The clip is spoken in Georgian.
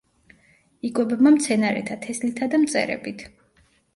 იკვებება მცენარეთა თესლითა და მწერებით.